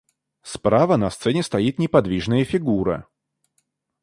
Справа на сцене стоит неподвижная фигура.